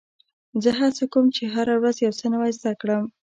زه هڅه کوم، چي هره ورځ یو څه نوی زده کړم.